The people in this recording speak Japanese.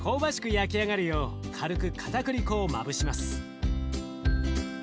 焼き上がるよう軽くかたくり粉をまぶします。